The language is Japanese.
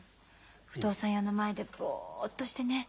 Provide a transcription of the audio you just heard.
不動産屋の前でボッとしてね